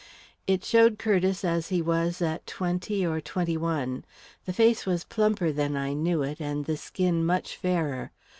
It showed Curtiss as he was at twenty or twenty one. The face was plumper than I knew it, and the skin much fairer.